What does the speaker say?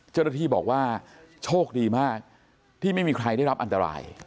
เจ้าหน้าที่บอกว่าโชคดีมากที่ไม่มีใครได้รับอันตราย